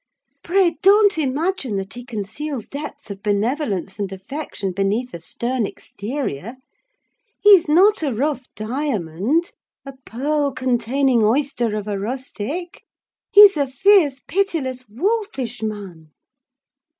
Pray, don't imagine that he conceals depths of benevolence and affection beneath a stern exterior! He's not a rough diamond—a pearl containing oyster of a rustic: he's a fierce, pitiless, wolfish man.